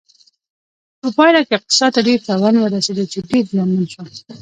په پایله کې اقتصاد ته ډیر تاوان ورسېده چې ډېر زیانمن شو.